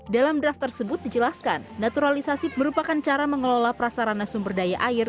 dalam draft tersebut dijelaskan naturalisasi merupakan cara mengelola prasarana sumber daya air